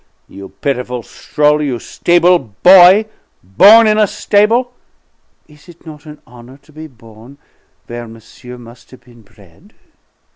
"You pitiful stroller, you stableboy, born in a stable " "Is it not an honor to be born where monsieur must have been bred?"